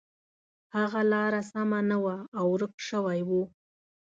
هغه لاره سمه نه وه او ورک شوی و.